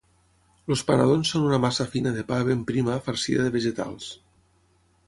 Els panadons són una massa fina de pa ben prima farcida de vegetals